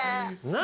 何？